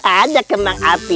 ada kemang api